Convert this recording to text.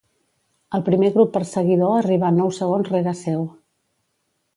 El primer grup perseguidor arribà nou segons rere seu.